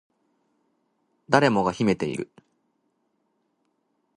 誰もが秘めている